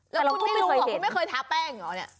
แล้วคุณไม่เคยท้าแป้งเหรอเนี่ย